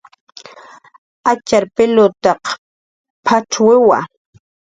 Atxar pilutaq p'acxwiwa